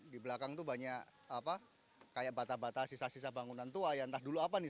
di belakang itu banyak kayak bata bata sisa sisa bangunan tua ya entah dulu apa nih